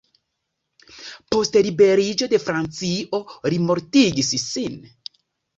Post liberiĝo de Francio, li mortigis sin.